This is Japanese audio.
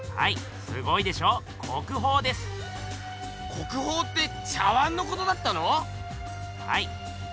国宝って茶碗のことだったの⁉はい。